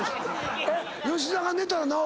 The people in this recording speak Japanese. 吉田が寝たら治る？